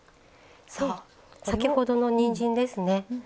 先ほどのにんじんですね。